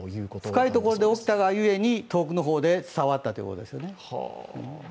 深いところで起きたがゆえに、遠くの方まで伝わったということですね。